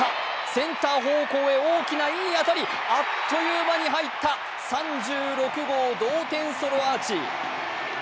センター方向へ大きないい当たりあっという間に入った３６号同点ソロアーチ。